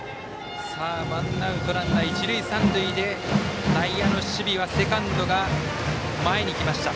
ワンアウトランナー、一塁三塁で内野の守備はセカンドが前に来ました。